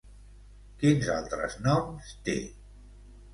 Quins altres noms té?